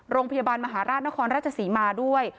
โรงพยาบาลมหาราชนครราชศรีมาด้วย